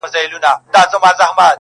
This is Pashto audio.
دا پاته عمر ملګي کومه ښه کومه -